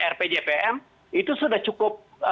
rpjpm itu sudah cukup